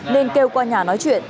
nên kêu qua nhà nói chuyện